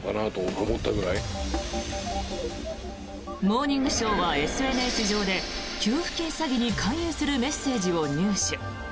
「モーニングショー」はＳＮＳ上で給付金詐欺に勧誘するメッセージを入手。